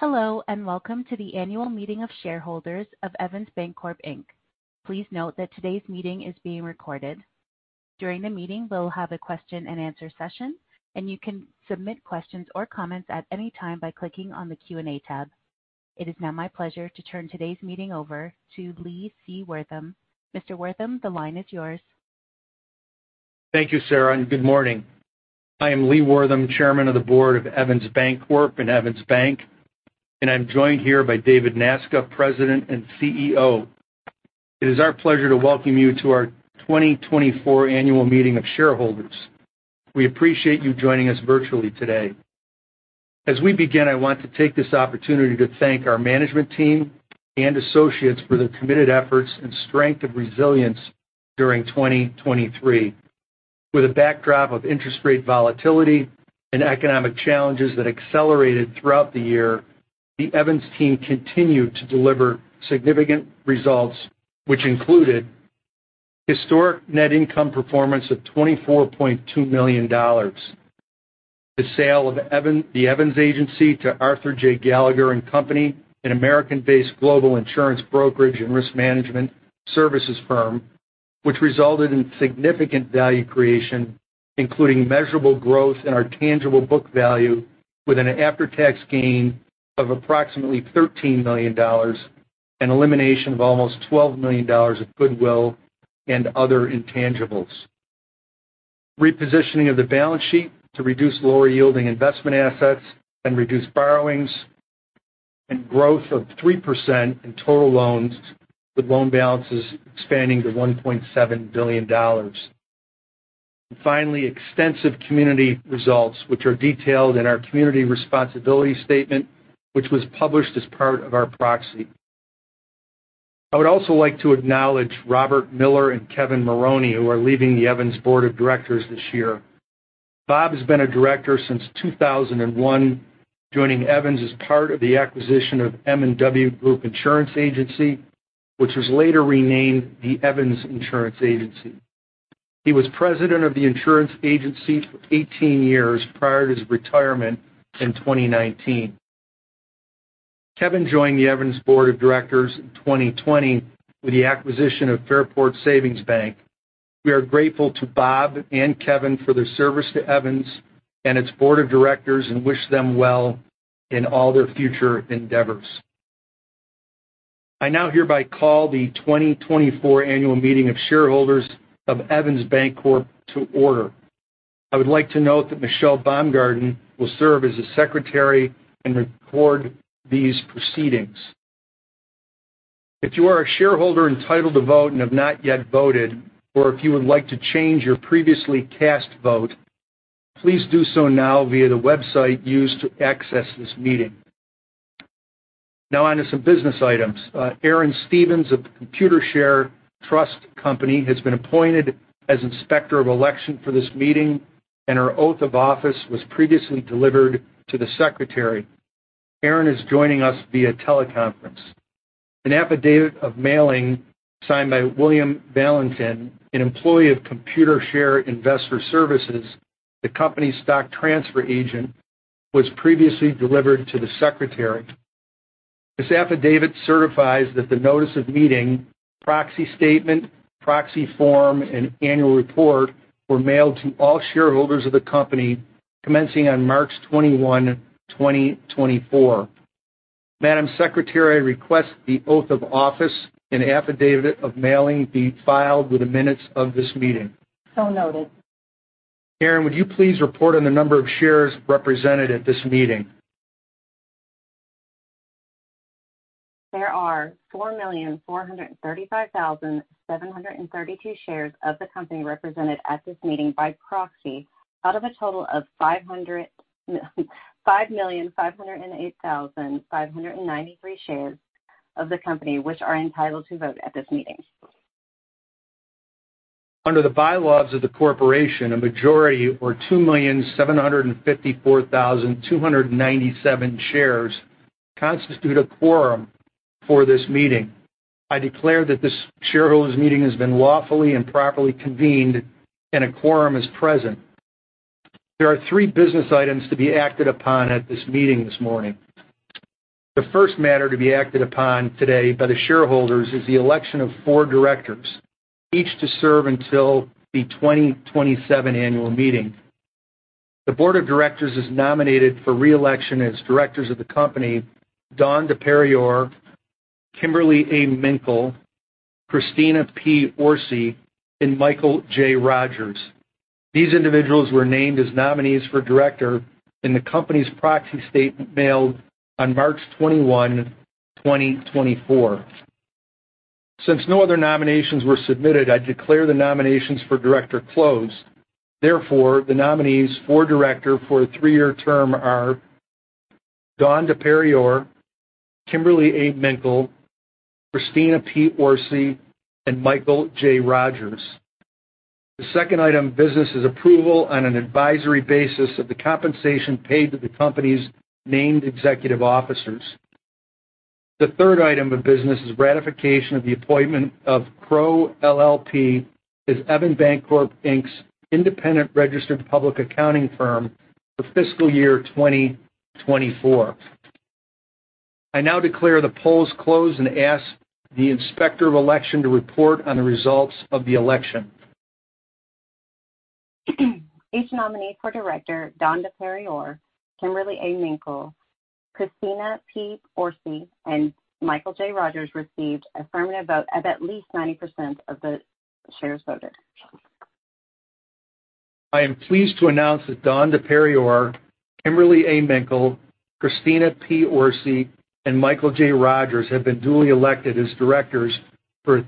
Hello, and welcome to the Annual Meeting of Shareholders of Evans Bancorp, Inc. Please note that today's meeting is being recorded. During the meeting, we'll have a question-and-answer session, and you can submit questions or comments at any time by clicking on the Q&A tab. It is now my pleasure to turn today's meeting over to Lee C. Wortham. Mr. Wortham, the line is yours. Thank you, Sarah, and good morning. I am Lee Wortham, Chairman of the Board of Evans Bancorp and Evans Bank, and I'm joined here by David Nasca, President and CEO. It is our pleasure to welcome you to our 2024 Annual Meeting of Shareholders. We appreciate you joining us virtually today. As we begin, I want to take this opportunity to thank our management team and associates for their committed efforts and strength of resilience during 2023. With a backdrop of interest rate volatility and economic challenges that accelerated throughout the year, the Evans team continued to deliver significant results, which included historic net income performance of $24.2 million, the sale of the Evans Agency to Arthur J. Gallagher & Company, an American-based global insurance brokerage and risk management services firm, which resulted in significant value creation, including measurable growth in our tangible book value with an after-tax gain of approximately $13 million and elimination of almost $12 million of goodwill and other intangibles. Repositioning of the balance sheet to reduce lower-yielding investment assets and reduce borrowings, and growth of 3% in total loans, with loan balances expanding to $1.7 billion. Finally, extensive community results, which are detailed in our community responsibility statement, which was published as part of our proxy. I would also like to acknowledge Robert Miller and Kevin Maroney, who are leaving the Evans Board of Directors this year. Bob has been a director since 2001, joining Evans as part of the acquisition of M&W Group Insurance Agency, which was later renamed the Evans Insurance Agency. He was president of the insurance agency for 18 years prior to his retirement in 2019. Kevin joined the Evans Board of Directors in 2020 with the acquisition of Fairport Savings Bank. We are grateful to Bob and Kevin for their service to Evans and its Board of Directors and wish them well in all their future endeavors. I now hereby call the 2024 Annual Meeting of Shareholders of Evans Bancorp to order. I would like to note that Michelle Baumgarden will serve as the Secretary and record these proceedings. If you are a shareholder entitled to vote and have not yet voted, or if you would like to change your previously cast vote, please do so now via the website used to access this meeting. Now on to some business items. Erin Stevens of Computershare Trust Company has been appointed as Inspector of Election for this meeting, and her oath of office was previously delivered to the secretary. Erin is joining us via teleconference. An affidavit of mailing signed by William Valentin, an employee of Computershare Investor Services, the company's stock transfer agent, was previously delivered to the secretary. This affidavit certifies that the notice of meeting, proxy statement, proxy form, and annual report were mailed to all shareholders of the company commencing on 21 March 2024. Madam Secretary, I request the oath of office and affidavit of mailing be filed with the minutes of this meeting. So noted. Erin, would you please report on the number of shares represented at this meeting? There are 4,435,732 shares of the company represented at this meeting by proxy, out of a total of 5,508,593 shares of the company, which are entitled to vote at this meeting. Under the bylaws of the corporation, a majority, or 2,754,297 shares, constitute a quorum for this meeting. I declare that this shareholders' meeting has been lawfully and properly convened, and a quorum is present. There are three business items to be acted upon at this meeting this morning. The first matter to be acted upon today by the shareholders is the election of four Directors, each to serve until the 2027 annual meeting. The board of directors is nominated for reelection as directors of the company, Dawn DePerrior, Kimberley A. Minkel, Christina P. Orsi, and Michael J. Rogers. These individuals were named as nominees for director in the company's proxy statement mailed on 21 March 2024. Since no other nominations were submitted, I declare the nominations for Director closed. Therefore, the nominees for Director for a three-year term are Dawn DePerrior, Kimberley A. Minkel, Christina P. Orsi, and Michael J. Rogers. The second item of business is approval on an advisory basis of the compensation paid to the company's named executive officers. The third item of business is ratification of the appointment of Crowe LLP as Evans Bancorp Inc.'s independent registered public accounting firm for fiscal year 2024. I now declare the polls closed and ask the inspector of election to report on the results of the election. Each nominee for director, Dawn DePerrior, Kimberley A. Minkel, Christina P. Orsi, and Michael J. Rogers, received affirmative vote of at least 90% of the shares voted. I am pleased to announce that Dawn DePerrior, Kimberley A. Minkel, Christina P. Orsi, and Michael J. Rogers have been duly elected as Directors for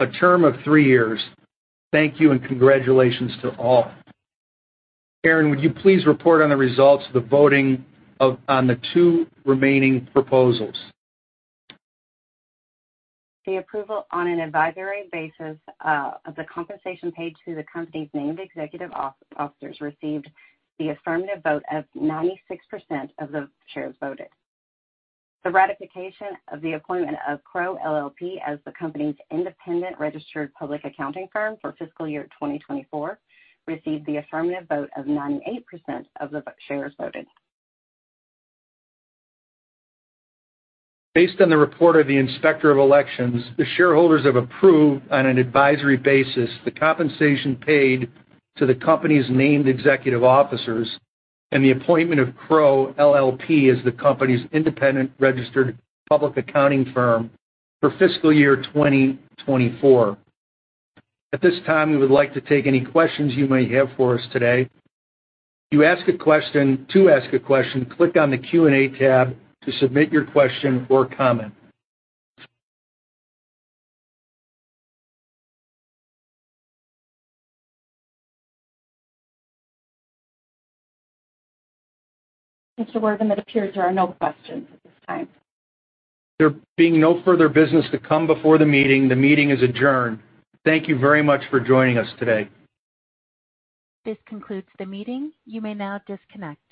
a term of three-years. Thank you, and congratulations to all. Erin, would you please report on the results of the voting of, on the two remaining proposals? The approval on an advisory basis of the compensation paid to the company's named executive officers received the affirmative vote of 96% of the shares voted. The ratification of the appointment of Crowe LLP as the company's independent registered public accounting firm for fiscal year 2024 received the affirmative vote of 98% of the shares voted. Based on the report of the Inspector of Elections, the shareholders have approved, on an advisory basis, the compensation paid to the company's named executive officers and the appointment of Crowe LLP as the company's independent registered public accounting firm for fiscal year 2024. At this time, we would like to take any questions you may have for us today. To ask a question, click on the Q&A tab to submit your question or comment. Mr. Wortham, it appears there are no questions at this time. There being no further business to come before the meeting, the meeting is adjourned. Thank you very much for joining us today. This concludes the meeting. You may now disconnect.